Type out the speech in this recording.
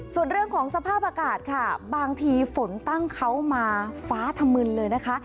ส่วนเรื่องของสภาพอากาศค่ะบางทีฝนตั้งเขามาฟ้าธมึนเลยนะคะ